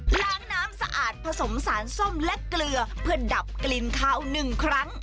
ล้างน้ำสะอาดผสมสารส้มและเกลือเพื่อดับกลิ่นคาว๑ครั้ง